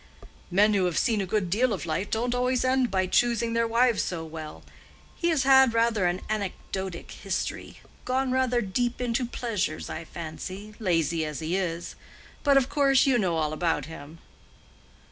"Men who have seen a good deal of life don't always end by choosing their wives so well. He has had rather an anecdotic history—gone rather deep into pleasures, I fancy, lazy as he is. But, of course, you know all about him."